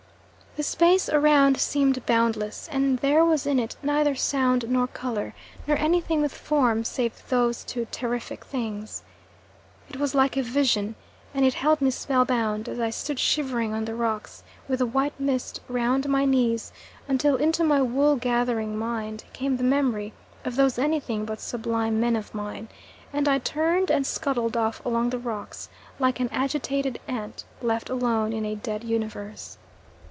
The space around seemed boundless, and there was in it neither sound nor colour, nor anything with form, save those two terrific things. It was like a vision, and it held me spell bound, as I stood shivering on the rocks with the white mist round my knees until into my wool gathering mind came the memory of those anything but sublime men of mine; and I turned and scuttled off along the rocks like an agitated ant left alone in a dead Universe.